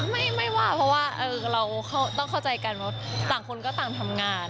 ไม่ป่าวว่าเราต้องเข้าใจกันว่าต่างคนก็ต่างทำงาน